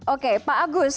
oke pak agus